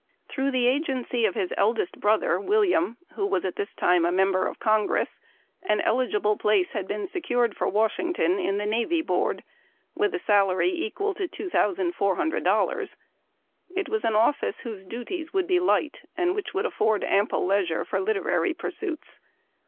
Through the agency of his eldest brother, William, who was at this time a member of Congress, an eligible place had been secured for Washington in the Navy Board, with a salary equal to $2,400. It was an office whose duties would be light, and which would afford ample leisure for literary pursuits.